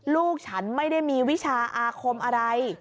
ลูกฉันไม่ได้มีวิชาอาคมอะไร